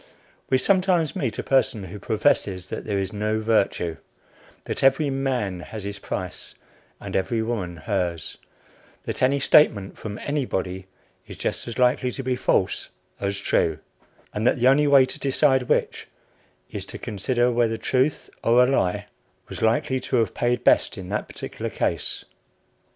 We sometimes meet a person who professes that there is no virtue; that every man has his price, and every woman hers; that any statement from anybody is just as likely to be false as true, and that the only way to decide which, is to consider whether truth or a lie was likely to have paid best in that particular case.